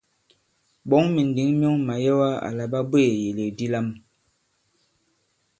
Ɓɔ̌ŋ mìndǐŋ myɔŋ màyɛwa àla ɓa bweè ìyèlèk di lam.